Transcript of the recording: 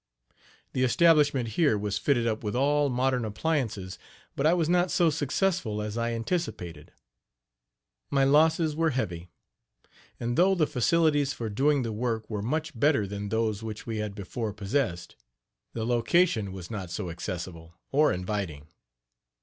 The establishment here was fitted up with all modern appliances; but I was not so successful as I anticipated. My losses were heavy; and though the facilities for doing the work were much better than those which we had before possessed, the location was not so accessible or inviting.